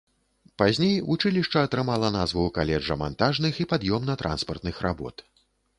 Пазней вучылішча атрымала назву каледжа мантажных і пад'ёмна-транспартных работ.